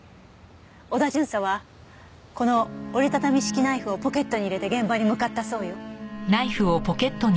織田巡査はこの折りたたみ式ナイフをポケットに入れて現場に向かったそうよ。